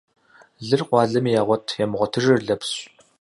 Лыр къуалэми ягъуэт, ямыгъуэтыжыр лэпсщ.